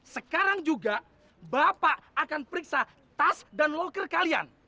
sekarang juga bapak akan periksa tas dan loker kalian